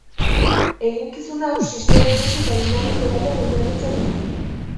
Eginkizun hau sistema ireki eta dinamiko batean oinarritzen da.